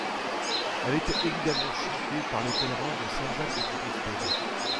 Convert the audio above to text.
Elle était évidemment chantée par les pèlerins de Saint-Jacques-de-Compostelle.